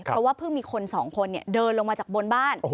เพราะว่าเพิ่งมีคนสองคนเดินลงมาจากบนบ้าน